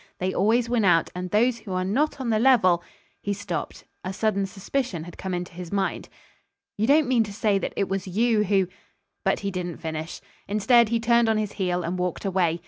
They always win out; and those who are not on the level " He stopped. A sudden suspicion had come into his mind. "You don't mean to say that it was you who " But he didn't finish. Instead, he turned on his heel and walked away.